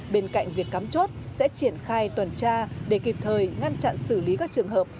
bên cạnh việc cắm chốt sẽ triển khai toàn tra để kịp thời ngăn chặn xử lý các trường hợp